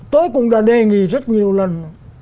tôi cũng đã đề nghị rất nhiều lần